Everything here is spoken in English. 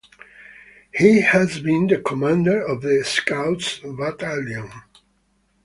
He has been the commander of the Scouts Battalion.